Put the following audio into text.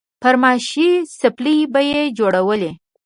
فرمايشي څپلۍ به يې جوړولې.